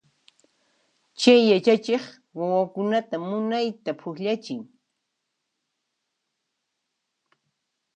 Chay yachachiq wawakunata munayta pukllachin.